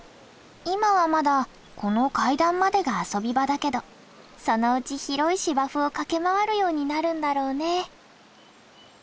今はまだこの階段までが遊び場だけどそのうち広い芝生を駆け回るようになるんだろうね。